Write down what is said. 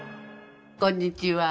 こんにちは。